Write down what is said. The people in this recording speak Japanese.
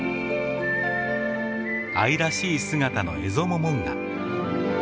愛らしい姿のエゾモモンガ。